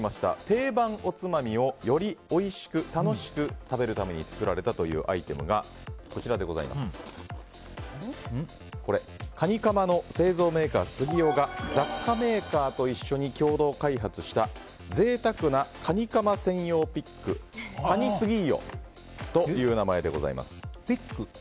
定番おつまみをよりおいしく楽しく食べるために作られたというアイテムがカニカマの製造メーカースギヨが雑貨メーカーと一緒に共同開発した贅沢なカニカマ専用ピックカニスギーヨ！というピック？